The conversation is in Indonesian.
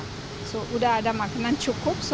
sudah ada makanan cukup